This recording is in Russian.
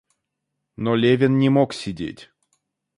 Но Левин не мог сидеть.